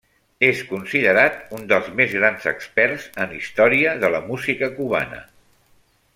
És considerat un dels més grans experts en història de la música cubana.